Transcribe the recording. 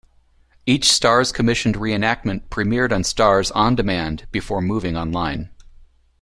Each Starz-commissioned re-enactment premiered on Starz on Demand before moving online.